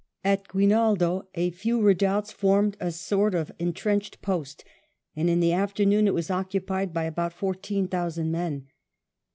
At Guinaldo, a few redoubts formed a sort of entrenched post, and in the afternoon it was occupied by about fourteen thousand men.